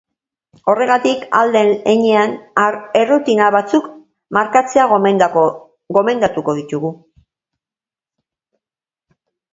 Horregatik, ahal den heinean, errutina batzuk markatzea gomendatuko digu.